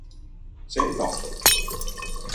Se ei tahtonut.